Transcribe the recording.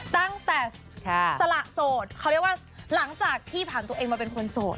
ตั้งแต่สละโสดเขาเรียกว่าหลังจากที่ผ่านตัวเองมาเป็นคนโสด